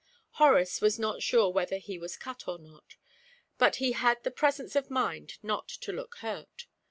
'" Horace was not sure whether he was cut or not, but he had the presence of mind not to look hurt.